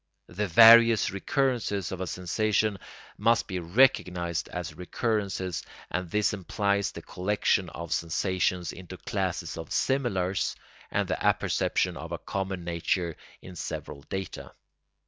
The various recurrences of a sensation must be recognised as recurrences, and this implies the collection of sensations into classes of similars and the apperception of a common nature in several data.